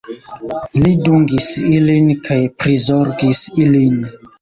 Li dungis ilin kaj prizorgis ilin.